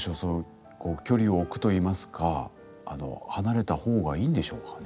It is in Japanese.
こう距離を置くといいますか離れた方がいいんでしょうかね？